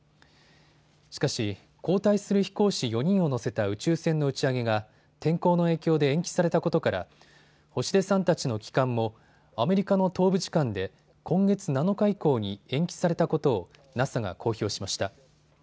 しかし交代する飛行士４人を乗せた宇宙船の打ち上げが天候の影響で延期されたことから星出さんたちの帰還もアメリカの東部時間で今月７日以降に延期されたことをＮＡＳＡが公表しました。